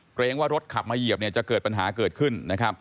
เกรงว่ารถขับมาเหยียบจะเกิดปัญหาเกิดขึ้นนะครับ